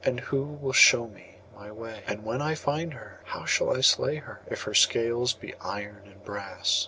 And who will show me my way? And when I find her, how shall I slay her, if her scales be iron and brass?